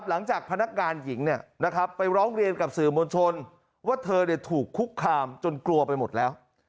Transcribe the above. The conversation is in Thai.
หลังจากพนักงานหญิงไปร้องเรียนกับสื่อมวลชนว่าเธอถูกคุกคามจนกลัวไปหมดแล้ว